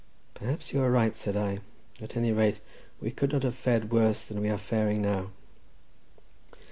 "Perhaps you are right," said I; "at any rate, we could not have fared worse than we are faring now."